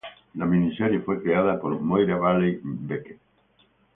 La miniserie fue creada por Moira Walley-Beckett.